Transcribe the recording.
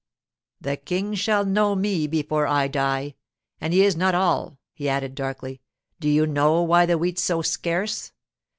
The King shall know me before I die. And he is not all,' he added darkly. 'Do you know why the wheat's so scarce?